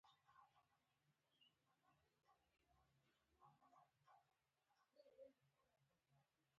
رومیان له ډوډۍ سره هر وخت خوند لري